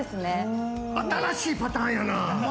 新しいパターンやな。